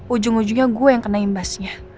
ujung ujungnya gue yang kena imbasnya